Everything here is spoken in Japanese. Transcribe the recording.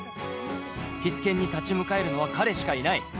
ピス健に立ち向かえるのは彼しかいない。